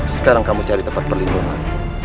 sekarang kamu cari tempat perlindungan